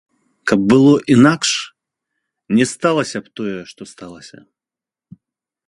Каб было інакш, не сталася б тое, што сталася.